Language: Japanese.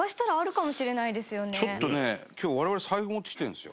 伊達：ちょっとね、今日、我々財布持ってきてるんですよ。